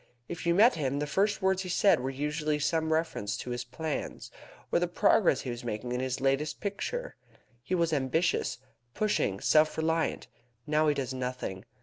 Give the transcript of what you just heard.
If you met him, the first words he said were usually some reference to his plans, or the progress he was making in his latest picture. He was ambitious, pushing, self reliant. Now he does nothing.